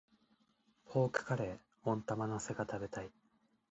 ポークカレー、温玉乗せが食べたい。